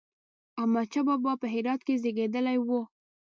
احمد شاه بابا په هرات کې زېږېدلی و